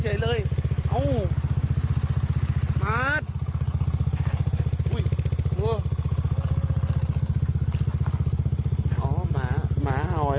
สินค้ากับพี่กัดเริ่มมากขึ้น